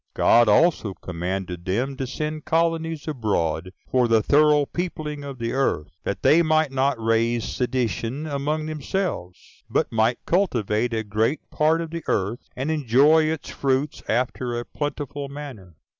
God also commanded them to send colonies abroad, for the thorough peopling of the earth, that they might not raise seditions among themselves, but might cultivate a great part of the earth, and enjoy its fruits after a plentiful manner.